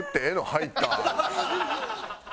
入った？